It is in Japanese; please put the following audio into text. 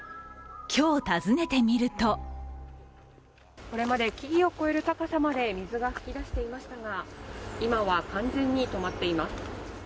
今日、訪ねてみるとこれまで木々を越える高さまで、水が噴き出していましたが今は完全に止まっています。